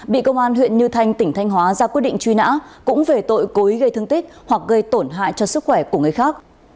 bị công an huyện như thanh tỉnh thanh hóa ra quyết định truy nã cũng về tội cố ý gây thương tích hoặc gây tổn hại cho sức khỏe của người khác